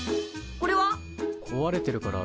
これは？